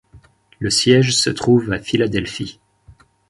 Le siège se trouve à Philadelphie.